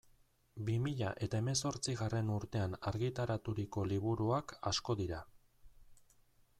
Bi mila eta hemezortzigarren urtean argitaraturiko liburuak asko dira.